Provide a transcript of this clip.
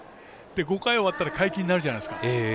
５回終わったら解禁になるじゃないですか。